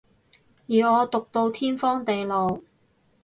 而我毒到天荒地老